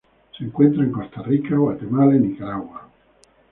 Se encuentra en Costa Rica Guatemala y Nicaragua.